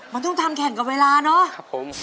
มันต้องทำแข่งกับเวลาเนอะครับผม